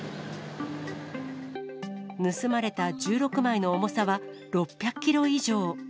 盗まれた１６枚の重さは６００キロ以上。